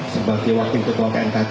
sebagai wakil ketua knkt